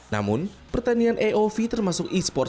namun pertandingan aov termasuk e sport